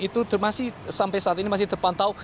itu masih sampai saat ini masih terpantau